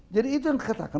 jadi itu yang kita katakan